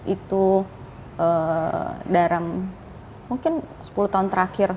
itu dalam mungkin sepuluh tahun terakhir